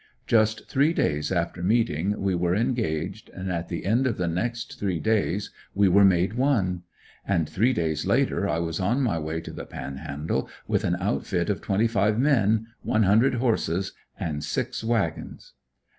Just three days after meeting we were engaged and at the end of the next three days we were made one. And three days later I was on my way to the Panhandle with an outfit of twenty five men, one hundred horses and six wagons.